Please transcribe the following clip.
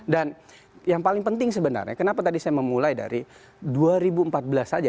dan yang paling penting sebenarnya kenapa tadi saya memulai dari dua ribu empat belas saja